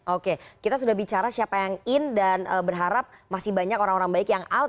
oke kita sudah bicara siapa yang in dan berharap masih banyak orang orang baik yang out